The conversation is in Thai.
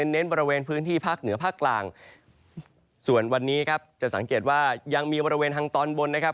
เน้นบริเวณพื้นที่ภาคเหนือภาคกลางส่วนวันนี้ครับจะสังเกตว่ายังมีบริเวณทางตอนบนนะครับ